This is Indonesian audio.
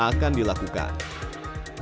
dan mereka sudah mencoba untuk mencoba